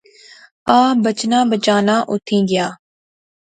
اہ بچنا بچانا اوتھیں گیا